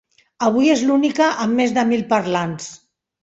Avui és l'única amb més de mil parlants.